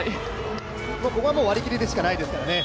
ここは割り切りでしかないですからね。